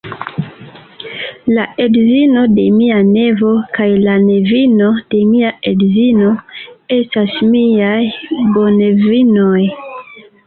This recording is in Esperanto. La edzino de mia nevo kaj la nevino de mia edzino estas miaj bonevinoj.